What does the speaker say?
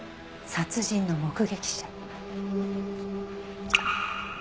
殺人の目撃者。